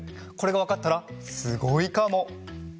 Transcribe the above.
これがわかったらすごいかも！